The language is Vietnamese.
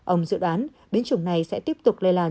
ông dự đoán biến chủng này sẽ tiếp tục lây lan